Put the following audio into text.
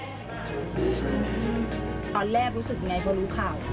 ตอนแรกรู้สึกอย่างไรเพราะรู้ข่าว